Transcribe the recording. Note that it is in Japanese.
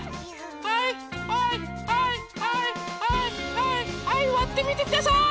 はいはいはいはいはいはいはいわってみてください！